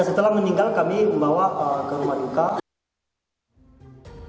setelah meninggal kami membawa ke rumah yuka